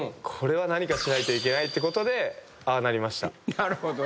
これは何かしないといけないってことでああなりました。